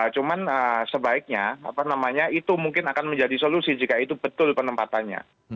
cuman sebaiknya apa namanya itu mungkin akan menjadi solusi jika itu betul penempatannya